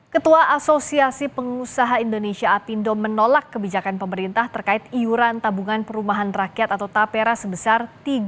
ketua asosiasi pengusaha indonesia apindo menolak kebijakan pemerintah terkait iuran tabungan perumahan rakyat atau tapera sebesar